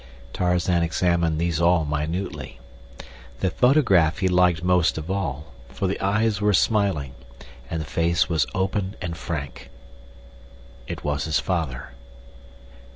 Tarzan examined these all minutely. The photograph he liked most of all, for the eyes were smiling, and the face was open and frank. It was his father.